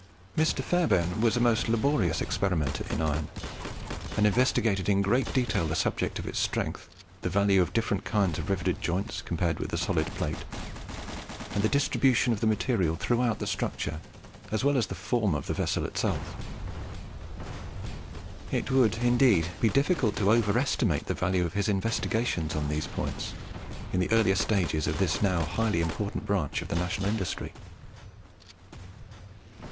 Mr. Fairbairn was a most laborious experimenter in iron, and investigated in great detail the subject of its strength, the value of different kinds of riveted joints compared with the solid plate, and the distribution of the material throughout the structure, as well as the form of the vessel itself. It would indeed be difficult to over estimate the value of his investigations on these points in the earlier stages of this now highly important branch of the national industry.